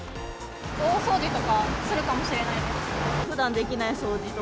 大掃除とかするかもしれないです。